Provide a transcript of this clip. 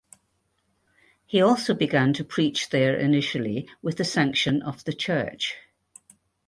He also began to preach there initially with the sanction of the church.